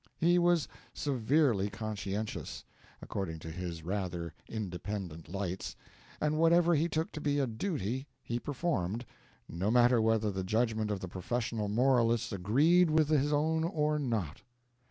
He was severely conscientious, according to his rather independent lights, and whatever he took to be a duty he performed, no matter whether the judgment of the professional moralists agreed with his own or not.